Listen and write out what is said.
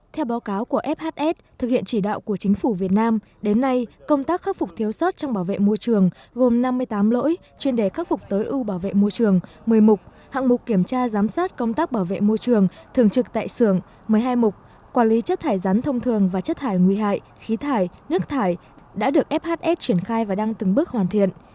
theo báo cáo của fhs thực hiện chỉ đạo của chính phủ việt nam đến nay công tác khắc phục thiếu sót trong bảo vệ môi trường gồm năm mươi tám lỗi chuyên đề khắc phục tới ưu bảo vệ môi trường một mươi mục hạng mục kiểm tra giám sát công tác bảo vệ môi trường thường trực tại xưởng một mươi hai mục quản lý chất thải rắn thông thường và chất thải nguy hại khí thải nước thải đã được fhs triển khai và đăng từng bước hoàn thiện